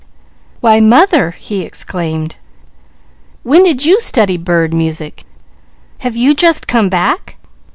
"Why mother!" he exclaimed. "When did you study bird music? Have you just come back?"